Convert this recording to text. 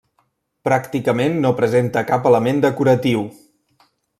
Pràcticament no presenta cap element decoratiu.